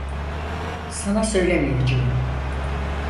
Sana söylemeyeceğim.